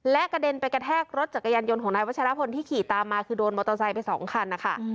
และกระเด็นไปกระแทกรถจักรยานยนต์ของนายวัชรพลที่ขี่ตามมาคือโดนมอเตอร์ไซค์ไปสองคันนะคะ